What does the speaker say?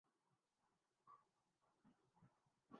ائی C C chief executive Shiv Sena کے حملے کو مذاق میں ٹال گئے